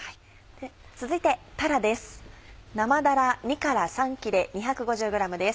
続いてたらです。